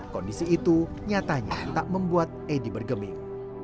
kondisi itu nyatanya tak membuat edi bergeming